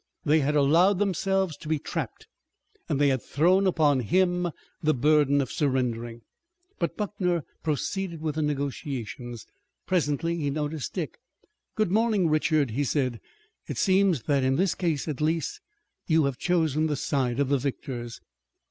They had allowed themselves to be trapped and they had thrown upon him the burden of surrendering. But Buckner proceeded with the negotiations. Presently he noticed Dick. "Good morning, Richard," he said. "It seems that in this case, at least, you have chosen the side of the victors."